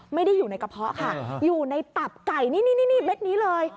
ไม่ได้อยู่ในกระเพาะค่ะอยู่ในตับไก่นี่เม็ดนี้เลย